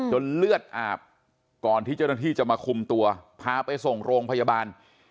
เลือดอาบก่อนที่เจ้าหน้าที่จะมาคุมตัวพาไปส่งโรงพยาบาล